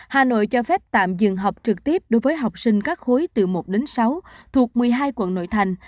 hà nội cho phép tạm dừng học trực tiếp đối với học sinh các khối từ một đến sáu thuộc một mươi hai quận nội thành